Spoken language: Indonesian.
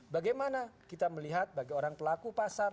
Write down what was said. bagaimana kita melihat bagi orang pelaku pasar